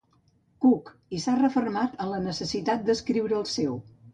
Cook i s'ha refermat en la necessitat d'escriure el seu.